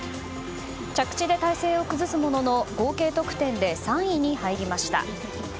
着地で体勢を崩すものの合計得点で３位に入りました。